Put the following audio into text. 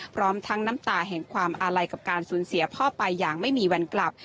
พร้อมทั้งน้ำตาแห่งความอาลัยกับการสูญเสียพ่อไปอย่างไม่มีวันกลับ